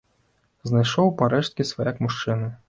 Знайшоў парэшткі сваяк мужчыны.